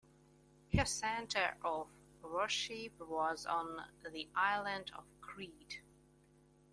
Her center of worship was on the island of Crete.